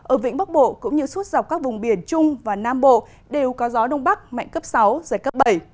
ở vĩnh bắc bộ cũng như suốt dọc các vùng biển trung và nam bộ đều có gió đông bắc mạnh cấp sáu giật cấp bảy